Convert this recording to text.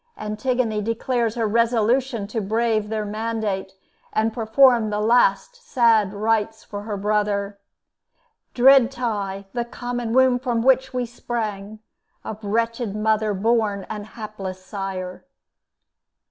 Antigone declares her resolution to brave their mandate, and perform the last sad rites for her brother. "Dread tie, the common womb from which we sprang, Of wretched mother born and hapless sire."